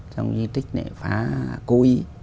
xong di tích này phá cố ý